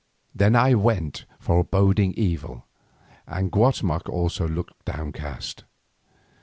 Then I went foreboding evil, and Guatemoc also looked downcast.